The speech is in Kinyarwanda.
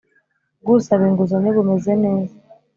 Bw usaba inguzanyo bumeze neza